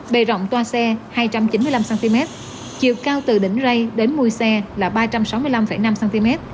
bề rộng toa xe hai trăm chín mươi năm cm chiều cao từ đỉnh rây đến mùi xe là ba trăm sáu mươi năm năm cm